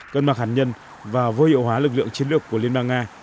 cân bằng hạt nhân và vô hiệu hóa lực lượng chiến lược của liên bang nga